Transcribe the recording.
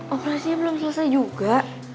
operasinya belum selesai juga